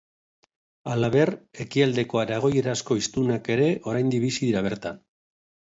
Halaber, ekialdeko aragoierazko hiztunak ere oraindik bizi dira bertan.